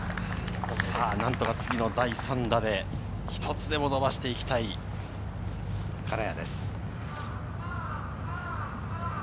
何とか次の第３打で１つでも伸ばしていきたい金谷です。